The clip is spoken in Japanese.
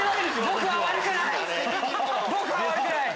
僕は悪くない！